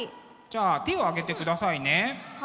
じゃあ手を挙げてくださいね。